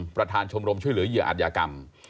ประธานชมรมช่วยเหลือเหยื่ออัธยากรรม